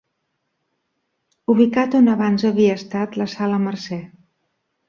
Ubicat on abans havia estat la Sala Mercè.